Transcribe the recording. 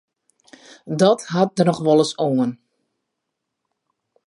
Dat hat der noch wolris oan.